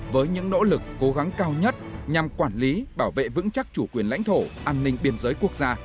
với những nỗ lực cố gắng cao nhất nhằm quản lý bảo vệ vững chắc chủ quyền lãnh thổ an ninh biên giới quốc gia